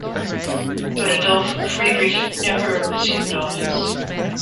But Adolf Friedrich never assumed office.